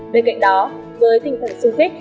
bên cạnh đó với tình thần xương kích